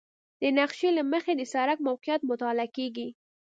د نقشې له مخې د سړک موقعیت مطالعه کیږي